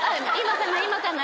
今かな？